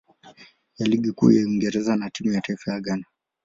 ya Ligi Kuu ya Uingereza na timu ya taifa ya Ghana.